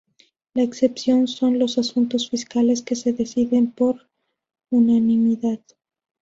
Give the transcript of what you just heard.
La excepción son los asuntos fiscales, que se deciden por unanimidad.